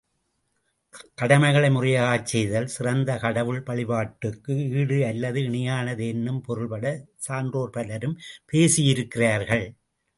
கடமைகளை முறையாகச் செய்தல் சிறந்த கடவுள் வழிபாட்டுக்கு ஈடு அல்லது இணையானது என்னும் பொருள்படச் சான்றோர் பலரும் பேசியிருக்கிறார்கள்.